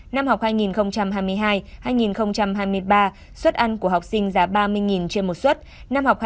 năm học hai nghìn hai mươi hai hai nghìn hai mươi ba suất ăn của học sinh giá ba mươi trên một suất